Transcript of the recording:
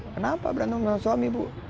kenapa berantem sama suami bu